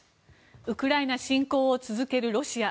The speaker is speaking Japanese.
ウクライナ侵攻を続けるロシア。